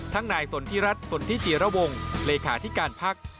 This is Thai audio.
นายสนทิรัฐสนทิจิระวงเลขาธิการพัก